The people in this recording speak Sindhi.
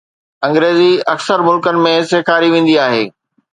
انگريزي اڪثر ملڪن ۾ سيکاري ويندي آهي.